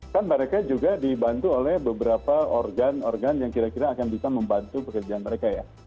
kan mereka juga dibantu oleh beberapa organ organ yang kira kira akan bisa membantu pekerjaan mereka ya